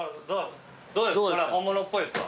どうですか？